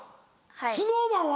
ＳｎｏｗＭａｎは？